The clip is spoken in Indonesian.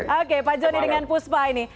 oke pak joni dengan puspa ini